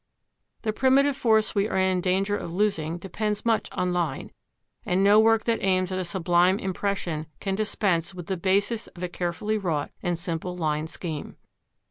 The primitive force we are in danger of losing depends much on line, and no work that aims at a sublime impression can dispense with the basis of a carefully wrought and simple line scheme.